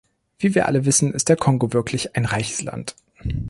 Wie wir alle wissen, ist der Kongo wirklich ein reiches Land.